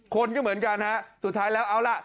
คนก็เหมือนกันฮะสุดท้ายแล้วเอาล่ะ